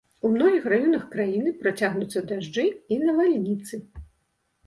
У многіх раёнах краіны працягнуцца дажджы і навальніцы.